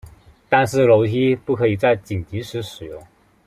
但是这楼梯不可以在紧急时使用。